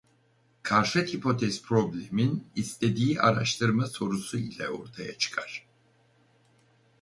Karşıt hipotez problemin istediği araştırma sorusu ile ortaya çıkar.